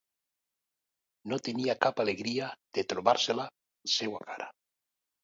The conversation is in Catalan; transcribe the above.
No tenia cap alegria de trobar-se la seua cara.